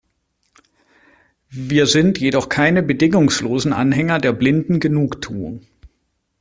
Wir sind jedoch keine bedingungslosen Anhänger der blinden Genugtuung.